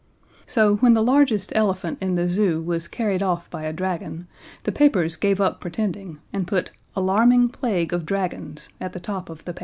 So when the largest elephant in the Zoo was carried off by a dragon, the papers gave up pretending and put ALARMING PLAGUE OF DRAGONS at the top of the paper.